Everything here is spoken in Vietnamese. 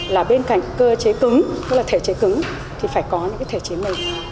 là bên cạnh cơ chế cứng có thể chế cứng thì phải có thể chế mềm